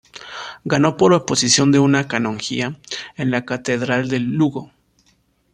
Ganó por oposición una canonjía en la catedral de Lugo.